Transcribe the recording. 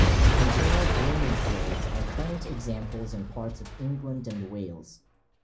Internal drainage boards are current examples in parts of England and Wales.